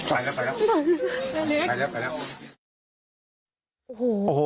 โอ้โห